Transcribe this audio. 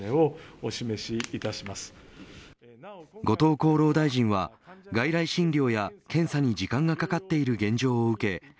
後藤厚労大臣は外来診療や検査に時間がかかっている現状を受け